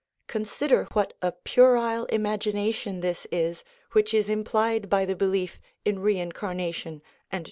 Consider what a puerile imagination this is which is implied by the belief in reincarnation and trans 1 Lit.